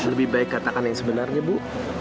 lebih baik katakan yang sebenarnya bu